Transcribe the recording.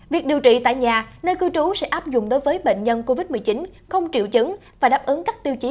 việc điều trị tại nhà nơi cư trú sẽ áp dụng đối với bệnh nhân covid một mươi chín không triệu chứng và đáp ứng các tiêu chí